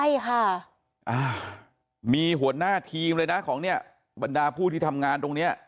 ใช่ค่ะอ่ามีหัวหน้าทีมเลยนะของเนี่ยบรรดาผู้ที่ทำงานตรงเนี้ย